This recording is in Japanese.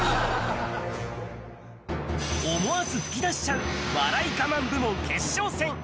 思わず吹き出しちゃう笑いガマン部門決勝戦。